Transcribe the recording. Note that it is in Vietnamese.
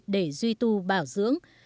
để duy tu bảo dưỡng